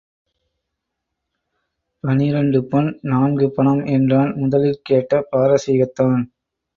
பனிரெண்டு பொன் நான்கு பணம் என்றான் முதலில் கேட்ட பாரசீகத்தான்.